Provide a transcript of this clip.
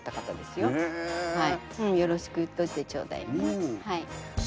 よろしく言っといてちょうだいね。